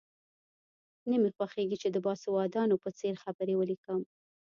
نه مې خوښېږي چې د باسوادانو په څېر خبرې ولیکم.